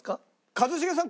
一茂さん